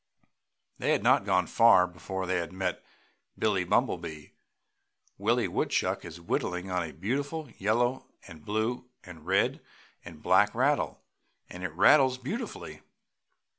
They had not gone far before they met Billie Bumblebee. "Willie Woodchuck is whittling on a beautiful yellow and blue and red and black rattle and it rattles beautifully."